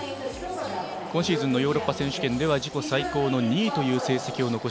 今シーズンのヨーロッパ選手権は自己最高の２位という成績